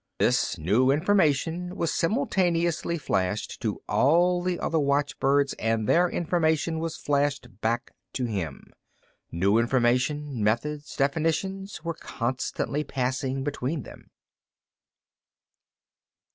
This new information was simultaneously flashed to all the other watchbirds and their information was flashed back to him. New information, methods, definitions were constantly passing between them.